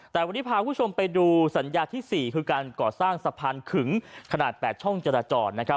แต่วันนี้พาคุณผู้ชมไปดูสัญญาที่๔คือการก่อสร้างสะพานขึงขนาด๘ช่องจราจร